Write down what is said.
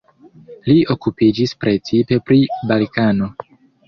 Li okupiĝis precipe pri Balkano.